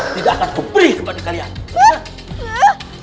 tidak akan kuperi kepada kalian